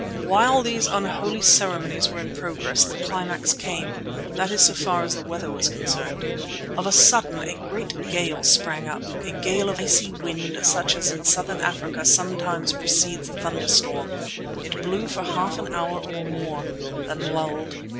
While these unholy ceremonies were in progress the climax came, that is so far as the weather was concerned. Of a sudden a great gale sprang up, a gale of icy wind such as in Southern Africa sometimes precedes a thunderstorm. It blew for half an hour or more, then lulled.